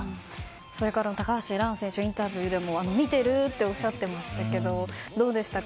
それから高橋藍選手インタビューでも見てる？っておっしゃっていましたけどもどうでしたか。